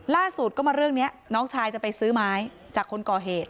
ล่าสุดก็มาเรื่องนี้น้องชายจะไปซื้อไม้จากคนก่อเหตุ